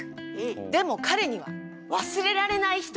でも彼には忘れられない人がいました！